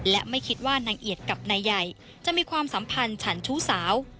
และไม่คิดว่านางเอียดกับนายใหญ่จะมีความสัมพันธ์ฉันชู้สาว